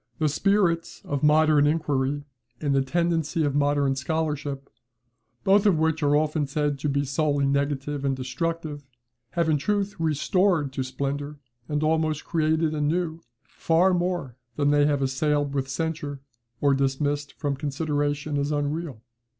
The spirit of modern inquiry, and the tendency of modern scholarship, both of which are often said to be solely negative and destructive, have, in truth, restored to splendour, and almost created anew, far more than they have assailed with censure, or dismissed from consideration as unreal.